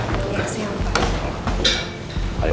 selamat siang pak